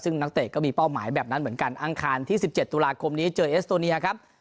ซึ่งนักเตะก็มีเป้าหมายแบบนั้นเหมือนกันอังคารที่๑๗ตุลาคมนี้เจอเอสโตเนียครับ